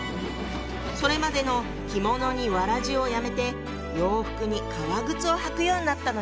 それまでの着物に草鞋をやめて洋服に革靴を履くようになったのよ。